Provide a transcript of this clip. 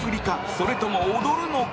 それとも、踊るのか？